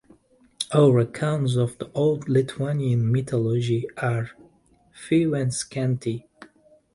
Our accounts of the old Lithuanian mythology are few and scanty.